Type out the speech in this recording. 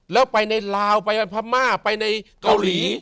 แล้วไปในลาวไปพม่าไปในเกาหลี